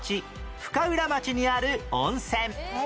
深浦町にある温泉